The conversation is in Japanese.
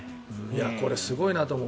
これ、すごいなと思う。